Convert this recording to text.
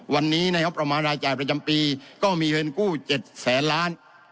วันนี้ในงบประมาณรายจ่ายประจำปีก็มีเงินกู้๗แสนล้าน